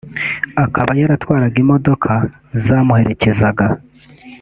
akaba yaratwaraga imodoka zamuherekezaga